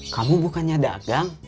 kamu bukannya dagang